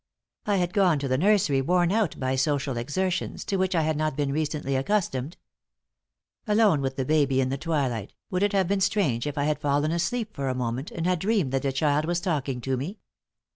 I had gone to the nursery worn out by social exertions to which I had not been recently accustomed. Alone with the baby in the twilight, would it have been strange if I had fallen asleep for a moment and had dreamed that the child was talking to me?